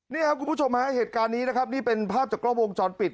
นี่ครับคุณผู้ชมฮะเหตุการณ์นี้นะครับนี่เป็นภาพจากกล้องวงจรปิด